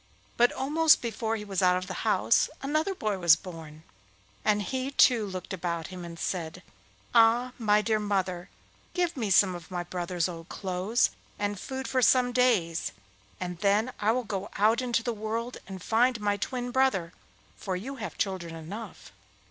But almost before he was out of the house another boy was born, and he too looked about him, and said, 'Ah, my dear mother! give me some of my brothers' old clothes, and food for some days, and then I will go out into the world and find my twin brother, for you have children enough.